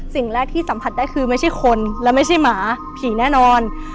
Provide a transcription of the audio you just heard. สิ่งแรกที่สัมผัสได้คือไม่ใช่คนและไม่ใช่หมาผีแน่นอน